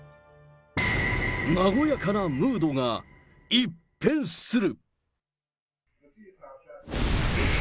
和やかなムードが一変する。